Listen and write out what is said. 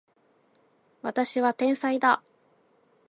私は天才だ